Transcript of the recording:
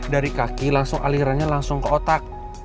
dari kaki langsung alirannya langsung ke otak